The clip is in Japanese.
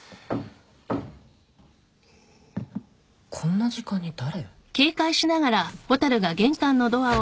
・こんな時間に誰？